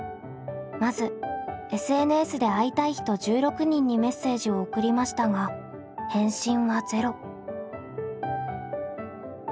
まずＳＮＳで会いたい人１６人にメッセージを送りましたが返信は０。